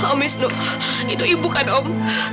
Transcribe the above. om wisnu itu ibu kan om